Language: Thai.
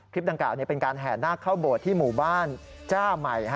คลิปต่างกล่าวเป็นการแห่นหน้าเข้าโบสถ์ที่หมู่บ้านจ้าใหม่